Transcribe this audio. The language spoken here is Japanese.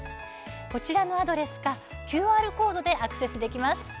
こちらのアドレスかＱＲコードでアクセスできます。